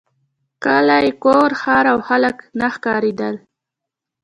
کلی کور ښار او خلک نه ښکارېدل.